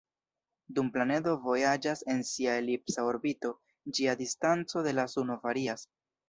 Dum planedo vojaĝas en sia elipsa orbito, ĝia distanco de la suno varias.